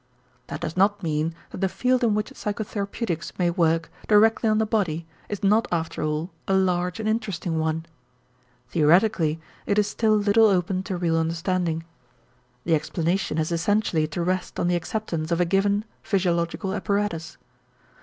That does not mean that the field in which psychotherapeutics may work directly on the body is not after all a large and interesting one. Theoretically it is still little open to real understanding. The explanation has essentially to rest on the acceptance of a given physiological apparatus.